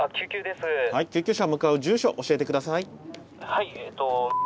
はい救急車向かう住所教えて下さい。